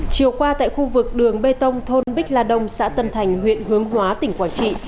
chiều qua tại khu vực đường bê tông thôn bích la đông xã tân thành huyện hướng hóa tỉnh quảng trị